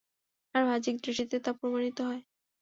আর বাহ্যিক দৃষ্টিতে তা প্রমাণিত হয়।